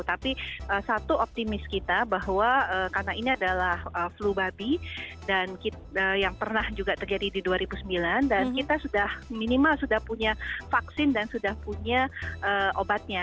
tapi satu optimis kita bahwa karena ini adalah flu babi dan yang pernah juga terjadi di dua ribu sembilan dan kita sudah minimal sudah punya vaksin dan sudah punya obatnya